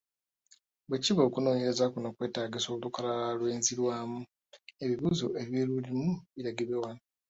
Bwe kiba okunoonyereza kuno kwetaagisa olukalala lw’enzirwamu, ebibuuzo ebilulimu biragibwe wano.